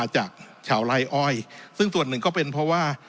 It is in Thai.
จากชาวไล่อ้อยซึ่งส่วนหนึ่งก็เป็นเพราะว่า